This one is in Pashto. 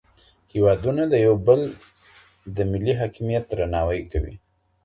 هیوادونه د یو بل د ملي حاکمیت درناوی کوي.